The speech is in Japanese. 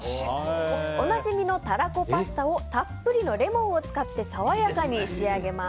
おなじみのタラコパスタをたっぷりのレモンを使って爽やかに仕上げます。